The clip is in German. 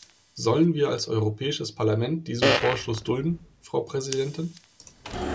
Sollen wir als Europäisches Parlament diesen Verstoß dulden, Frau Präsidentin?